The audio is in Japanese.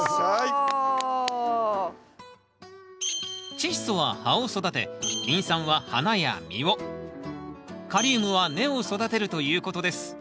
チッ素は葉を育てリン酸は花や実をカリウムは根を育てるということです。